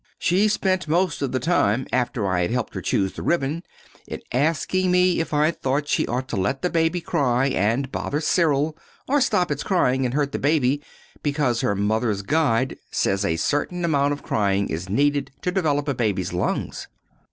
She spent most of the time, after I had helped her choose the ribbon, in asking me if I thought she ought to let the baby cry and bother Cyril, or stop its crying and hurt the baby, because her 'Mother's Guide' says a certain amount of crying is needed to develop a baby's lungs."